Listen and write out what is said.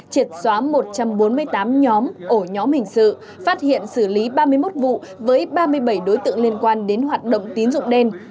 triệt xóa một trăm bốn mươi tám nhóm ổ nhóm hình sự phát hiện xử lý ba mươi một vụ với ba mươi bảy đối tượng liên quan đến hoạt động tín dụng đen